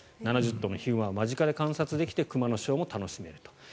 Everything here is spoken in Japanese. ７０頭のヒグマを間近で観察できて熊のショーも楽しめると。